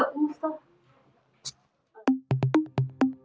tolak tampang pasir laut